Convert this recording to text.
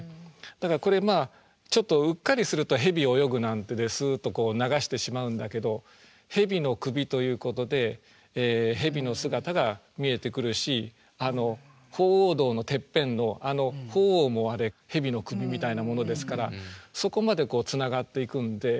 だからこれちょっとうっかりすると「蛇泳ぐ」なんてスッと流してしまうんだけど「蛇の首」と言うことで蛇の姿が見えてくるし鳳凰堂のてっぺんのあの鳳凰もあれ蛇の首みたいなものですからそこまでつながっていくんで。